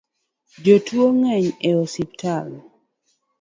Jotuo ng'eny e osiptal